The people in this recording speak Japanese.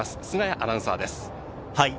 菅谷アナウンサーです。